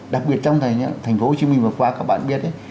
đặc biệt trong thành phố hồ chí minh vừa qua các bạn biết